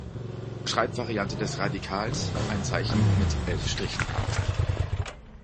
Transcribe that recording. Schreibvariante des Radikals: 黃, mit elf Strichen.